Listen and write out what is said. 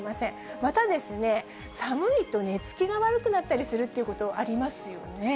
また寒いと寝つきが悪くなったりするっていうことありますよね。